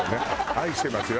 愛してますよ